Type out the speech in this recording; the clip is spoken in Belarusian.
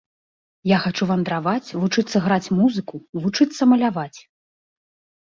Я хачу вандраваць, вучыцца граць музыку, вучыцца маляваць.